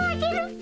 ピ。